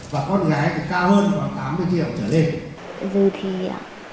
và con gái thì cao hơn khoảng tám mươi triệu trở lên